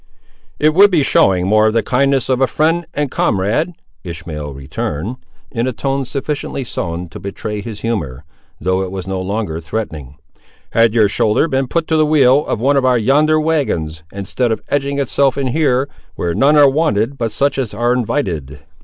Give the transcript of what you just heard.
"It would be showing more of the kindness of a friend and comrade," Ishmael returned, in a tone sufficiently sullen to betray his humour, though it was no longer threatening, "had your shoulder been put to the wheel of one of yonder wagons, instead of edging itself in here, where none are wanted but such as are invited."